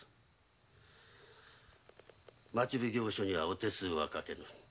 町奉行所にはお手数はかけぬ。